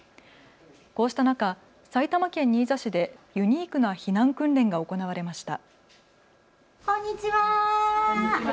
こうした中、埼玉県新座市でユニークな避難訓練が行われました。